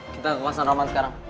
kita ke posan roman sekarang